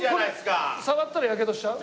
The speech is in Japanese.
これ触ったらやけどしちゃう？